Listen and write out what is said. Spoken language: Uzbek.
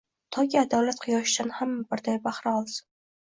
Toki, adolat quyoshidan hamma birday bahra olsin